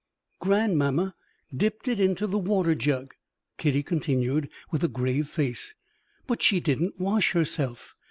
"Grandmamma dipped it into the water jug," Kitty continued, with a grave face; "but she didn't wash herself.